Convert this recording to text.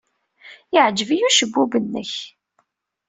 Yeɛjeb-iyi ucebbub-nnek.